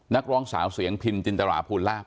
นักร้องสาวเสียงพินจินตราภูลาภ